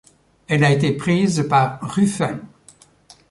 Elle a été prise par Ruffin.